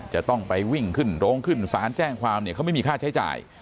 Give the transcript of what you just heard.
จะต้องไปวิ่งขึ้นโรงขึ้นศาลแจ้งความเนี่ยเขาไม่มีค่าใช้จ่าย